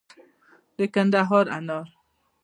د کندهار انار